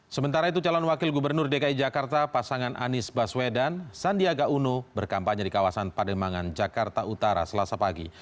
sementara itu calon wakil gubernur dki jakarta pasangan anies baswedan sandiaga uno berkampanye di kawasan pademangan jakarta utara selasa pagi